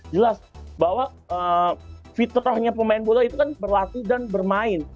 jelas bahwa fitrahnya pemain bola itu kan berlatih dan bermain